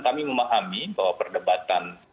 kami memahami bahwa perdebatan